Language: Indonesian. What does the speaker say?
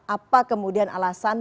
apa kemudian alasan